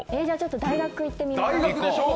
じゃあちょっと大学行ってみます。